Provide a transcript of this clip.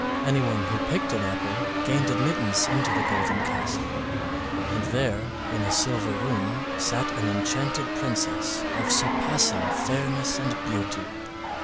Anyone who picked an apple gained admittance into the golden castle, and there in a silver room sat an enchanted princess of surpassing fairness and beauty.